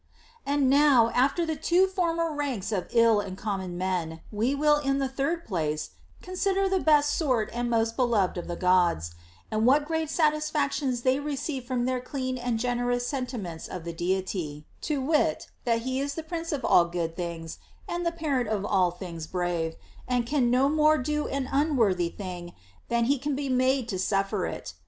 22. And now, after the two former ranks of ill and common men, we will in the third place consider the best sort and most beloved of the Gods, and what great satis factions they receive from their clean and generous senti ments of the Deity, to wit, that he is the Prince of all good things and the Parent of all things brave, and can no more do an unworthy thing than he can be made to suffer it.